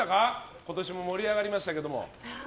今年も盛り上がりましたけども。